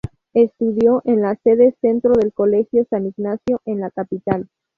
Estudió en la sede centro del Colegio San Ignacio, en la capital.